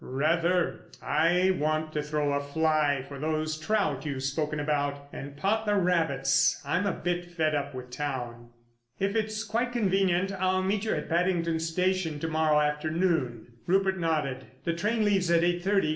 "Rather! I want to throw a fly for those trout you've spoken about, and pot the rabbits. I'm a bit fed up with town. If it's quite convenient I'll meet you at Paddington Station to morrow afternoon." Rupert nodded. "The train leaves at eight thirty.